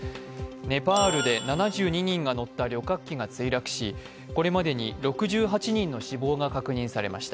ネパールで７２人が乗った旅客機が墜落し、これまでに６８人の死亡が確認されました。